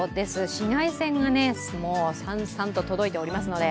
紫外線がサンサンと届いておりますので。